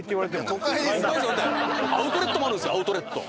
アウトレットもあるんですアウトレット。